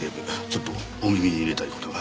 ちょっとお耳に入れたい事が。